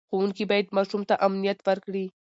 ښوونکي باید ماشوم ته امنیت ورکړي.